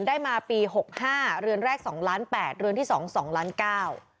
ได้มาปีหกห้าเรือนแรกสองล้านแปดเรือนที่สองสองล้านเก้า